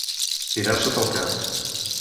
Tirar-s'ho pel cap.